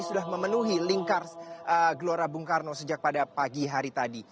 sudah memenuhi lingkar gelora bung karno sejak pada pagi hari tadi